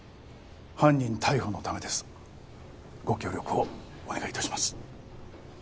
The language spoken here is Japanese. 犯人逮捕のためですご協力をお願いいたします